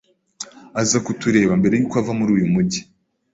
Aza kutureba mbere yuko ava muri uyu mujyi